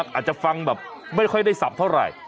อาจจะฟังแบบไม่ค่อยได้สับเท่าไหร่